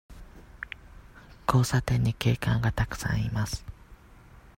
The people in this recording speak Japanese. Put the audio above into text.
交差点に警官がたくさんいます。